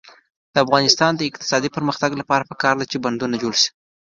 د افغانستان د اقتصادي پرمختګ لپاره پکار ده چې بندونه جوړ شي.